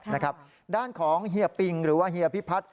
นะครับด้านของเฮียปิงหรือว่าเฮียพิพัฒน์